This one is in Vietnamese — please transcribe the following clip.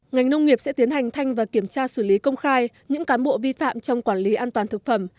ngành nông nghiệp sẽ tiến hành thanh và kiểm tra xử lý công khai những cán bộ vi phạm trong quản lý an toàn thực phẩm